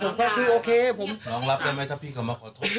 มันจะทำให้สื่อออกมาไว้ดีผมก็ผมก็คือโอเคผมสำหรับได้ไหมถ้าพี่กำมาขอโทษ